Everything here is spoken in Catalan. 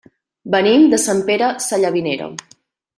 Venim de Sant Pere Sallavinera.